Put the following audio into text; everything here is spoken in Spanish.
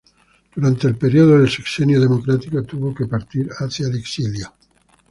Durante el período del Sexenio Democrático, tuvo que partir hacia el exilio.